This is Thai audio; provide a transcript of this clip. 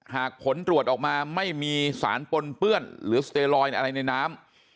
หากผลตรวจออกมาไม่มีสารปนเปื้อนหรือสเตลอยอะไรในน้ำ